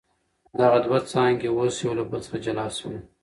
دغه دوه څانګي اوس يو له بل څخه جلا سوې.